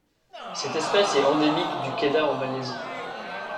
Cette espèce est endémique du Kedah en Malaisie.